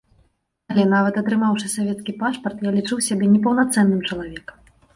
Але нават атрымаўшы савецкі пашпарт, я лічыў сябе непаўнацэнным чалавекам.